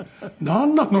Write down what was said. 「なんなの？